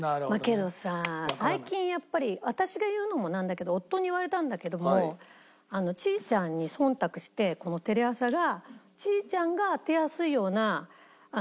けどさ最近やっぱり私が言うのもなんだけど夫に言われたんだけどもちいちゃんに忖度してこのテレ朝が。